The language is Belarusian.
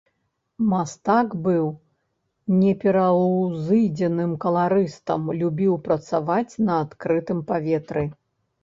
Мастак быў непераўзыдзеным каларыстам, любіў працаваць на адкрытым паветры.